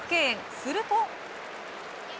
すると。